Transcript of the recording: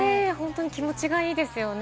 気持ちがいいですよね。